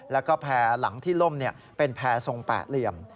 แล้วก็แพร่หลังที่ล่มเป็นแพร่ทรงแปดเหลี่ยม